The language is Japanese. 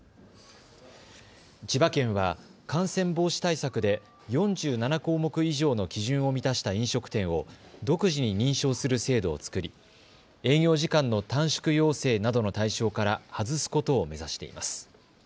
千葉県は感染防止対策で４７項目以上の基準を満たした飲食店を独自に認証する制度を作り営業時間の短縮要請などの対象から外すことを目指しています。